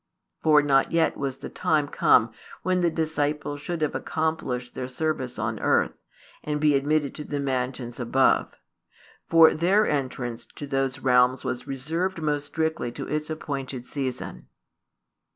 For not yet was the time come when the disciples should have accomplished their service on earth, and be admitted to the mansions above. For their entrance to those realms was reserved most strictly to its appointed season.